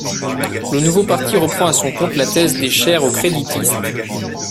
Le nouveau parti reprend à son compte la thèse des chère aux créditistes.